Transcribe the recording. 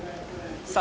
さあ